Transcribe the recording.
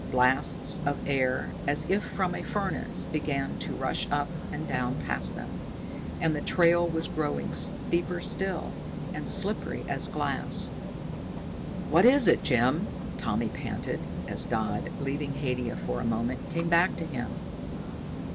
Blasts of air, as if from a furnace, began to rush up and down past them. And the trail was growing steeper still, and slippery as glass. "What is it, Jim?" Tommy panted, as Dodd, leaving Haidia for a moment, came back to him.